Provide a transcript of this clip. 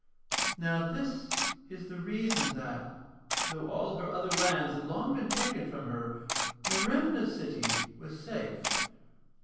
Now this is the reason that, though all her other lands had long been taken from her, Merimna's city was safe.